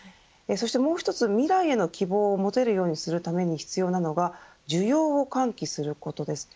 もう一つ、未来への希望を持てるようにするために必要なのが需要を喚起することです。